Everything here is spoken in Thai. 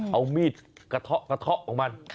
เอามีดกระทะออกมา